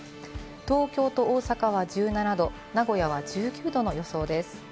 東京と大阪は１７度、名古屋は１９度の予想です。